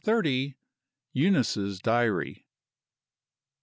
EUNICE'S DIARY.